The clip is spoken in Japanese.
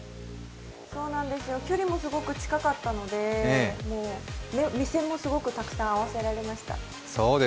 距離もすごく近かったので、目線もすごくたくさん合わせられました。